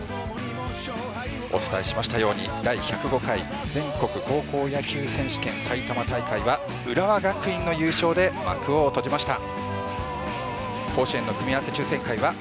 お伝えしましたように第１０５回全国高校野球選手権埼玉大会は浦和学院が優勝で幕を閉じました。